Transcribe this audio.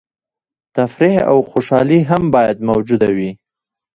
تفریح او خوشحالي هم باید موجوده وي.